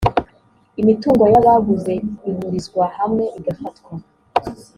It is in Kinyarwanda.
imitungo y’abaguze ihurizwa hamwe igafatwa